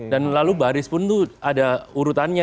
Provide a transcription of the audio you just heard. dan lalu baris pun tuh ada urutannya